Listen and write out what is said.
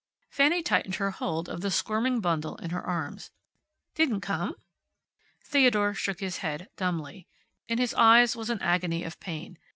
Fanny tightened her hold of the little squirming bundle in her arms. "Didn't come?" Theodore shook his head, dumbly. In his eyes was an agony of pain.